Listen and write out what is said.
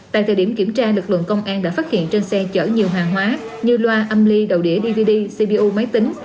tại thời điểm kiểm tra lực lượng công an đã phát hiện trên xe chở nhiều hàng hóa như loa âm ly đầu đĩa dvd cpu máy tính